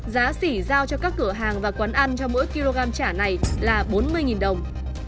giá xỉ giao cho các cửa hàng và quán ăn cho mỗi kg trả này là bốn mươi đồng